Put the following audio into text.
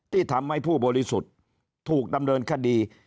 ที่ทำให้ผู้บริสุทธิ์ถูกดำเนินคดี